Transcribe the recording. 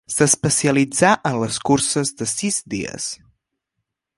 S'especialitzà en les curses de sis dies.